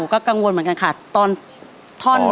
ก็กังวลเหมือนกันค่ะ